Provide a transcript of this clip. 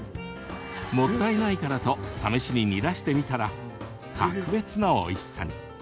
もったいないからと試しに煮出してみたら格別のおいしさに！